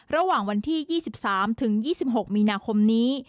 ระหว่างวันที่๒๓ถึง๒๖มีนาคมนี้